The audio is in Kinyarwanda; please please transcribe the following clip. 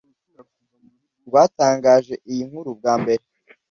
rwatangaje iyi nkuru bwa mbere,